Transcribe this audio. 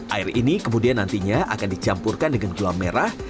air ini kemudian nantinya akan dicampurkan dengan gula merah